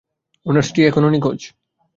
উনার স্ত্রী এখনো নিখোঁজ।